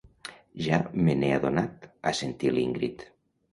Ja me n'he adonat —assentí l'Ingrid.